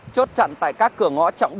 chốt chặn tại các cửa ngõ